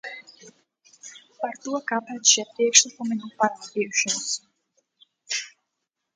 Par to, kāpēc šie priekšlikumi nav parādījušies.